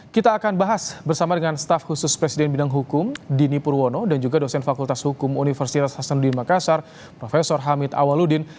kita akan bahas bersama dengan staf khusus presiden bidang hukum dini purwono dan juga dosen fakultas hukum universitas hasanuddin makassar prof hamid awaludin